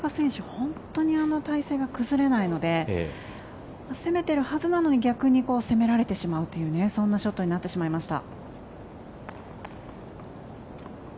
本当に体勢が崩れないので攻めてるはずなのに逆に攻められてしまうというそんなショットになってしまいました。